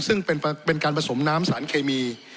ซึ่งเป็นการผสมน้ำสารเคมี